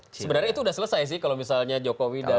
sebenarnya itu sudah selesai sih kalau misalnya jokowi dan